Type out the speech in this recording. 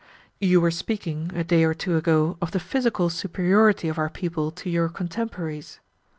"You were speaking, a day or two ago, of the physical superiority of our people to your contemporaries.